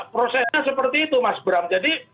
prosesnya seperti itu mas bram jadi